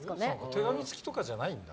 手紙付きとかじゃないんだ。